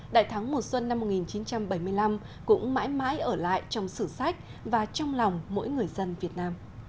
đại thắng mùa xuân năm một nghìn chín trăm bảy mươi năm cũng mãi mãi ở lại trong sử sách và trong lòng mỗi người dân việt nam